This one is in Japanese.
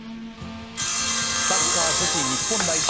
サッカー女子日本代表